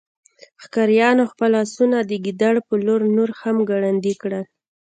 ښکاریانو خپل آسونه د ګیدړ په لور نور هم ګړندي کړل